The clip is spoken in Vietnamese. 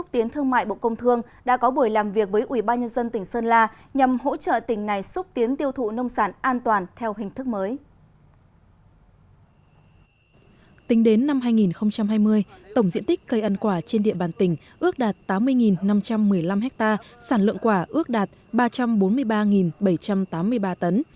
tính đến năm hai nghìn hai mươi tổng diện tích cây ăn quả trên địa bàn tỉnh ước đạt tám mươi năm trăm một mươi năm ha sản lượng quả ước đạt ba trăm bốn mươi ba bảy trăm tám mươi ba tấn